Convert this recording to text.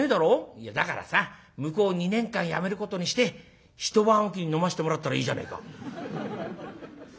「いやだからさ向こう２年間やめることにして一晩おきに飲ませてもらうったらいいじゃねえか」。